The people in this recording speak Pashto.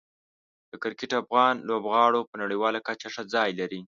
د کرکټ افغان لوبغاړو په نړیواله کچه ښه ځای لري.